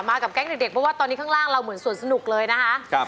กับแก๊งเด็กเพราะว่าตอนนี้ข้างล่างเราเหมือนสวนสนุกเลยนะคะ